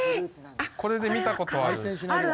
これで見たことある。